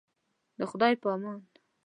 د خدای په امان.